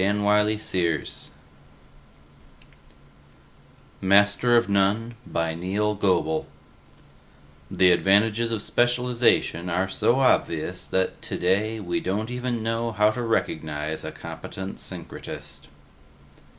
net MASTER OF NONE BY NEIL GOBLE The advantages of specialization are so obvious that, today, we don't even know how to recognize a competent syncretist!